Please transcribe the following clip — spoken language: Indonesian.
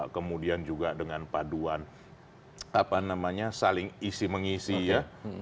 kemudian juga dengan paduan saling isi mengisi ya